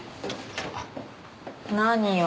何よ。